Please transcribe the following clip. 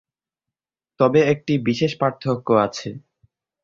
তবে একটি বিশেষ পার্থক্য় আছে।